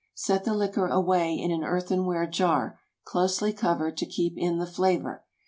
Set the liquor away in an earthenware jar, closely covered, to keep in the flavor.